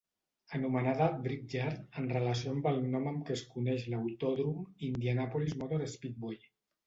Anomenada "Brickyard" en relació amb el nom amb què es coneix l'autòdrom Indianapolis Motor Speedway.